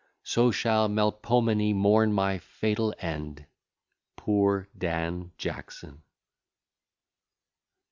So shall Melpomene mourn my fatal end. POOR DAN JACKSON.